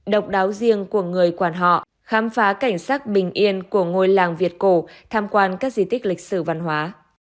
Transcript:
độc đáo riêng của người quản họ khám phá cảnh sắc bình yên của ngôi làng việt cổ tham quan các di tích lịch sử văn hóa